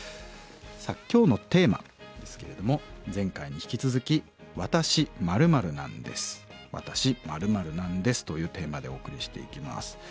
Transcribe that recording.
さあ今日のテーマですけれども前回に引き続き「わたし○○なんです」。「わたし○○なんです」というテーマでお送りしていきます。